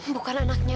bukan anaknya om